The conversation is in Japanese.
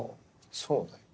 そうだよ。